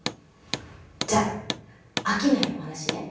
じゃあ商いの話ね。